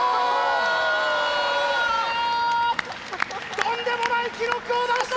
とんでもない記録を出した！